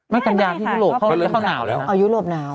ไม่กันยาที่ยุโรปเข้าหนาวแล้วอ่อยุโรปหนาว